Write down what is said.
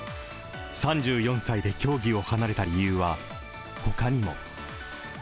３４歳で競技を離れた理由は、他にも。